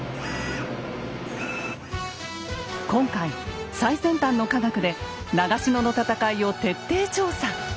今回最先端の科学で長篠の戦いを徹底調査。